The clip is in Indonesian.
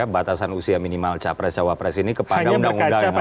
batasan usia minimal capres cawapres ini kepada undang undang yang ada